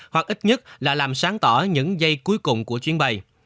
hoặc ít nhất là làm sáng tỏ những giây cuối cùng của chuyến bay